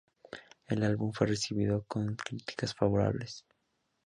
El álbum fue recibido con críticas favorables.